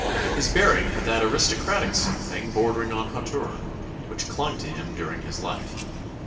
His bearing had that aristocratic something bordering on hauteur, which clung to him during his life.